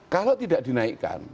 kalau tidak dinaikkan